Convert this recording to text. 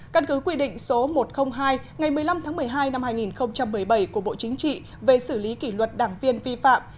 căn cứ quy định số một trăm linh hai ngày một mươi năm tháng một mươi hai năm hai nghìn một mươi bảy của bộ chính trị về xử lý kỷ luật đảng viên vi phạm